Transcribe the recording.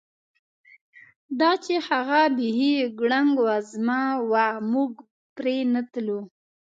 دا چې هغه بیخي ګړنګ وزمه وه، موږ پرې نه تلو.